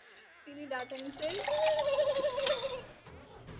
তিনি দ্য টাইমস-এ বইয়ের পর্যালোচনা লিখতেন।